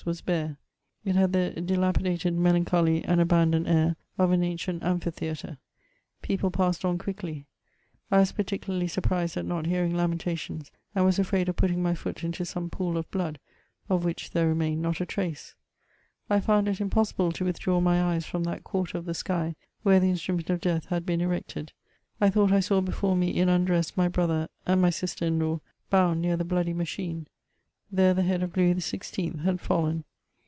was bare; it had the dilapidated, melancholy, and abandoned air of an ancient amphitheatre; people passed on quickly; I was particularly surprised at not hearing lamentations, and was afraid of putting my foot into some pool of blood, of which there remsdned not a trace ; I found it impossible to withdraw my eyes from that quarter of the sky, where the instrument of death had been erected ; I thought I saw before me in undress my brother and my sist^ in law, bound near the bloody machine ; there the head of Louis XVI. had fallen.